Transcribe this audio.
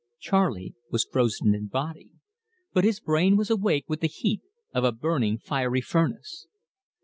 Charley was frozen in body, but his brain was awake with the heat of "a burning fiery furnace."